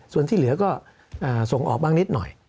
ส่วนที่เหลือก็ส่งออกบ้างนิดหน่อย